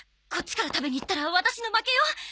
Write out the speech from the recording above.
こっちから食べに行ったらワタシの負けよ！